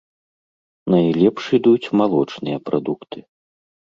Найлепш ідуць малочныя прадукты.